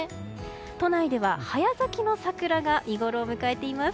都内では早咲きの桜が見ごろを迎えています。